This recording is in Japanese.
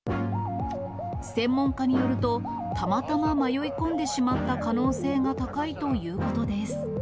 専門家によると、たまたま迷い込んでしまった可能性が高いということです。